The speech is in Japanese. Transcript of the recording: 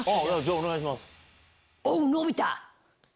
お願いします。